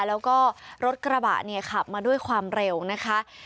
แล้วก็รถกระบะเนี่ยขับมาด้วยความเร็วนะคะ